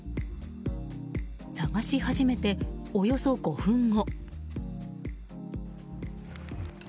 探し始めて、およそ５分後。